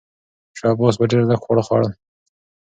شاه عباس به ډېر لږ خواړه خوړل.